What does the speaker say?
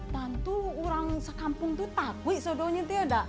bantu orang sekampung tuh takut seudahnya tuh ya dak